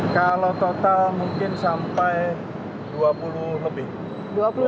kalau total mungkin sampai dua puluh lebih